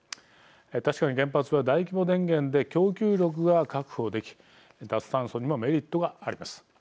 確かに原発は大規模電源で供給力が確保でき脱炭素にもメリットがあります。